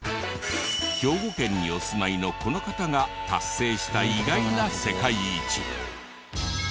兵庫県にお住まいのこの方が達成した意外な世界一。